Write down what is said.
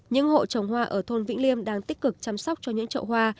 những hộ trồng hoa ở thôn vĩnh liêm đang tích cực chăm sóc cho những trậu hoa